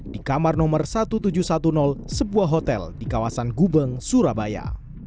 di kamar nomor seribu tujuh ratus sepuluh sebuah hotel di kawasan gubeng surabaya